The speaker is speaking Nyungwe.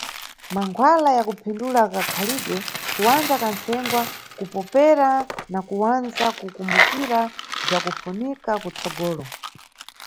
Mankhwala ya kuphindula kakhalidwe: kuwandza kantsengwa, kupopera na kuwandza kukumbukira bzwakufunika kutsogolo.